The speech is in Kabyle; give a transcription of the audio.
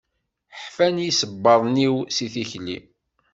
Ḥfan yisebbaḍen-iw si tikli.